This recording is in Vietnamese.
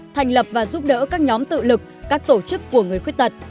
thành lập và giúp đỡ các nhóm tự lực các tổ chức của người khuyết tật